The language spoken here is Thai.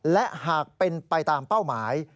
และหากเป็นไปตามเป้าหมาย